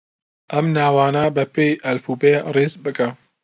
ئەم ناوانە بەپێی ئەلفوبێ ڕیز بکە.